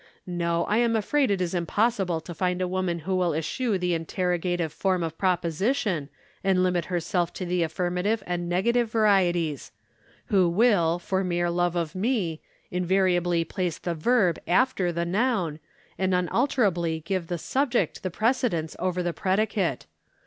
No, I am afraid it is impossible to find a woman who will eschew the interrogative form of proposition, and limit herself to the affirmative and negative varieties; who will, for mere love of me, invariably place the verb after the noun, and unalterably give the subject the precedence over the predicate.